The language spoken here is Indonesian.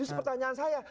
just pertanyaan saya